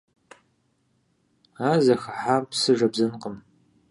Ар зыхыхьа псы жэбзэнкъым.